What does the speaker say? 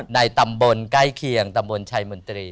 ในตำบลใกล้เคียงตำบลชัยมนตรี